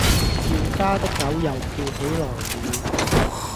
趙家的狗又叫起來了。